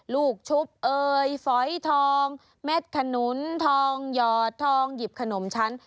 ชุบเอ่ยฝอยทองเม็ดขนุนทองหยอดทองหยิบขนมชั้น